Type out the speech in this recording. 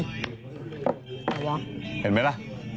เห็นไหมล่ะ